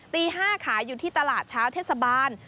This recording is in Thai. ตี๕ขายอยู่ที่ตลาดเช้าเทศบาล